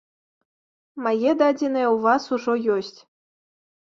Мае дадзеныя ў вас ужо ёсць.